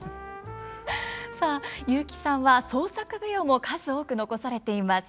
さあ雄輝さんは創作舞踊も数多く残されています。